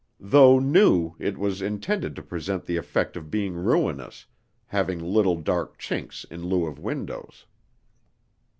Though new, it was intended to present the effect of being ruinous, having little dark chinks in lieu of windows.